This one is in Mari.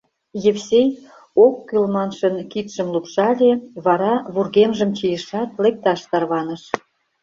Евсей, «ок кӱл» маншын, кидшым лупшале, вара вургемжым чийышат, лекташ тарваныш.